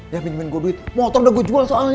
ya pinjemin gua duit motor udah gua jual soalnya